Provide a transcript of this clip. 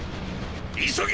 急げ！！